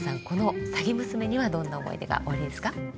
この「鷺娘」にはどんな思い出がおありですか。